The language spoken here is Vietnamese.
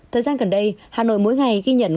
thời gian gần đây hà nội mỗi ngày ghi nhận